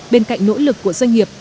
bên cạnh nỗ lực của doanh nghiệp